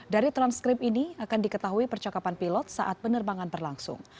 dari transkrip ini akan diketahui percakapan pilot saat penerbangan berlangsung